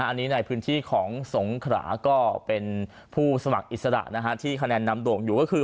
อันนี้ในพื้นที่ของสงขราก็เป็นผู้สมัครอิสระที่คะแนนนำโด่งอยู่ก็คือ